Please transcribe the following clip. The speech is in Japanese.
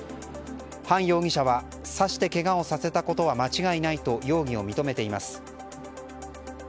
ハン容疑者は刺してけがをさせたことは間違いないと容疑を認めています。